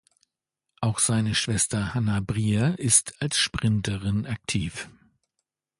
Auch seine Schwester Hannah Brier ist als Sprinterin aktiv.